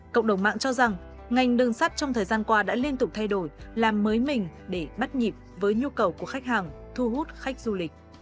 cộng đồng mạng cho rằng ngành đường sắt trong thời gian qua đã liên tục thay đổi làm mới mình để bắt nhịp với nhu cầu của khách hàng thu hút khách du lịch